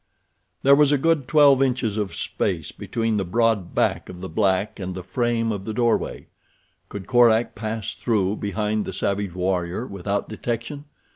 There was a good twelve inches of space between the broad back of the black and the frame of the doorway. Could Korak pass through behind the savage warrior without detection?